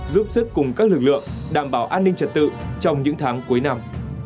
giúp sức cùng các lực lượng đảm bảo an ninh trật tự trong những tháng cuối năm